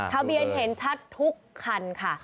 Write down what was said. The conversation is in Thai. ทะเบียนเห็นชัดทุกคันค่ะ